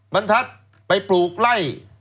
บรรทัศน์ไปปลูกไล่